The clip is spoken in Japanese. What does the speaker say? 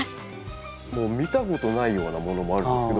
もう見たことないようなものもあるんですけど。